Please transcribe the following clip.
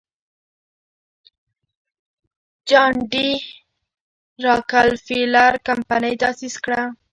جان ډي راکلفیلر کمپنۍ تاسیس کړه.